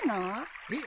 えっ！？